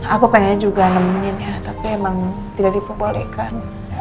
aku pengennya juga nemeninnya tapi emang tidak diperbolehkan